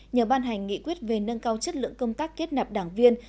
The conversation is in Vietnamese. nhờ ban hành nghị quyết về nâng cao chất lượng công tác kết nạp đảng viên